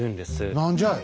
何じゃい。